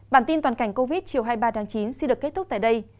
bản tin toàn cảnh covid chiều hai mươi ba tháng chín xin được kết thúc tại đây